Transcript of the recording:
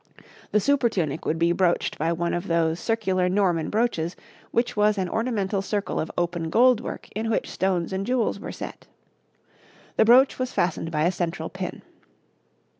The supertunic would be brooched by one of those circular Norman brooches which was an ornamental circle of open gold work in which stones and jewels were set. The brooch was fastened by a central pin.